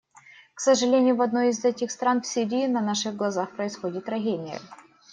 К сожалению, в одной из этих стран — в Сирии — на наших глазах происходит трагедия.